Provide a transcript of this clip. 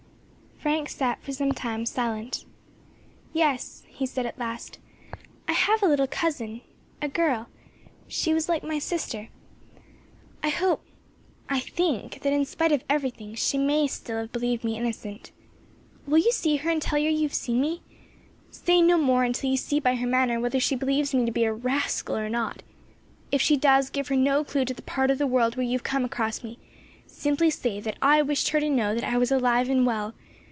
Frank sat for some time silent. "Yes," he said, at last. "I have a little cousin, a girl, she was like my sister; I hope I think that, in spite of everything, she may still have believed me innocent. Will you see her and tell her you have seen me? Say no more until you see by her manner whether she believes me to be a rascal or not. If she does, give her no clue to the part of the world where you have come across me; simply say that I wished her to know that I was alive and well.